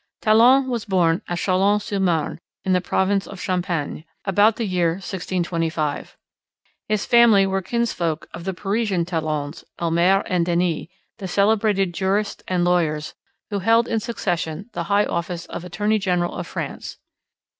Talon was born at Chalons sur Marne, in the province of Champagne, about the year 1625. His family were kinsfolk of the Parisian Talons, Omer and Denis, the celebrated jurists and lawyers, who held in succession the high office of attorney general of France.